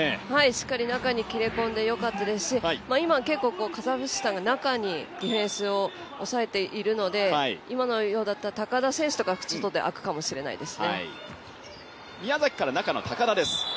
しっかり中に切れ込んでよかったですし今、結構カザフスタンが中にディフェンスをおさえているので今のようだと、高田選手とか外で空くかもしれないです。